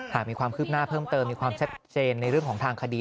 หากมีความคืบหน้าเพิ่มเติมมีความชัดเจนในเรื่องของทางคดี